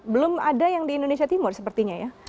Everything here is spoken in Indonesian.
belum ada yang di indonesia timur sepertinya ya